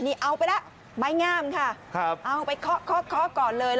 นี่เอาไปแล้วไม้งามค่ะเอาไปเคาะเคาะก่อนเลย